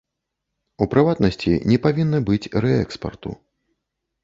У прыватнасці, не павінна быць рээкспарту.